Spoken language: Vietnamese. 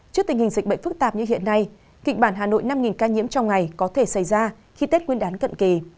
trước tình hình dịch bệnh phức tạp như hiện nay kịch bản hà nội năm ca nhiễm trong ngày có thể xảy ra khi tết nguyên đán cận kỳ